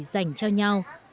dành cho nhau